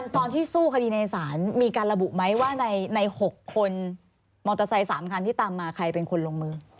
ตอนที่สู้คดีในศาลมีการระบุมั้ยว่าในหกคนมอเตอร์ไซค์สามคันใครเป็นคนลงมือ